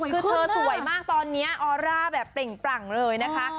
คือเธอสวยมากตอนนี้ออร่าแบบเปล่งปรั่งเลยนะคะ